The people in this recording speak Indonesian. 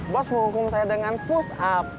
bos menghukum saya dengan push up